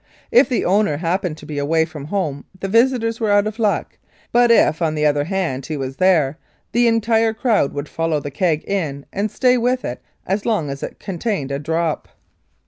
If the owner happened to be away from home the visitors were out of luck, but if, on the other hand, he was there, the entire crowd would follow the keg in and stay with it as long as it contained a drop.